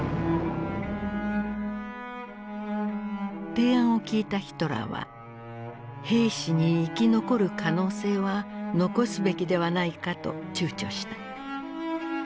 提案を聞いたヒトラーは「兵士に生き残る可能性は残すべきではないか」とちゅうちょした。